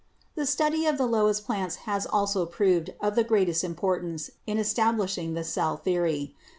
"The study of the lowest plants has also proved of the greatest importance in establishing the cell theory.